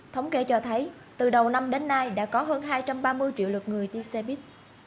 thống kê cho thấy từ đầu năm đến nay đã có hơn hai trăm ba mươi triệu lượt người đi xe buýt